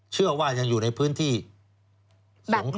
เชื่อว่ายังอยู่ในพื้นที่สงครา